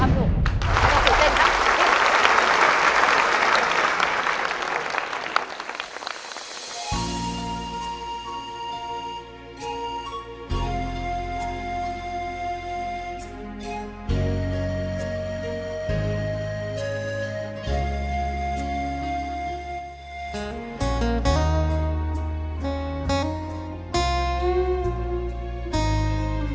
สู้ครับหนูมาสู้เต้นครับ